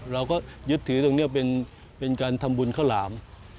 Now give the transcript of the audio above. เราก็ยึดถือตรงนี้เป็นการทำบุญข้าวหลาม